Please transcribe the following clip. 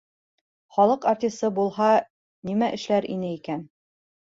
Халыҡ артисы булһа, нимә эшләр ине икән?